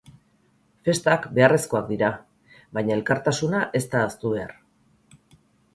Festak beharrezkoak dira baina, elkartasuna ez da ahaztu behar.